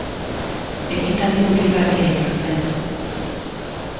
Ekitaldi hunkigarria izan zen.